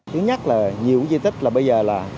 thứ nhất là nhiều di tích bây giờ là